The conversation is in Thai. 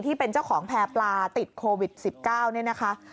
ที่เป็นเจ้าของแพร่ปลาติดโควิด๑๙เนี่ยนะคะ